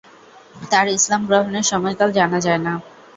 তার ইসলাম গ্রহণের সময়কাল জানা যায়না।